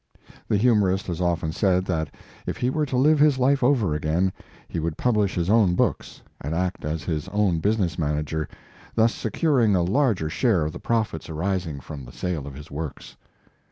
The humorist has often said that if he were to live his life over again, he would publish his own books, and act as his own business manager, thus securing a larger share of the profits arising from I go Mark Twain the sale of his works.